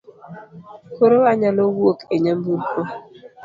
Koro wanyalo wuok e nyamburko.